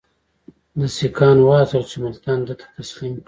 ده سیکهان وهڅول چې ملتان ده ته تسلیم کړي.